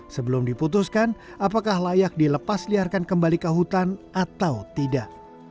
sebelum diputuskan apakah layak dilepas liarkan kembali ke hutan atau tidak